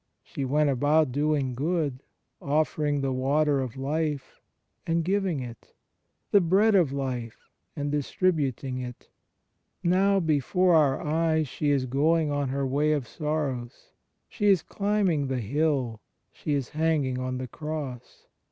She went about doing good, offering the Water of Life, and giving it — the Bread of Life, and distributing it. Now before our eyes she is going on her Way of Sorrows; she is climbing the Hill; she is hanging on the Cross.